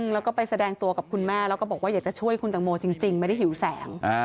แล้วก็ไปแสดงตัวกับคุณแม่แล้วก็บอกว่าอยากจะช่วยคุณตังโมจริงไม่ได้หิวแสง